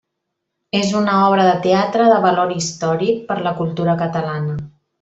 És una obra de teatre de valor històric per a la cultura catalana.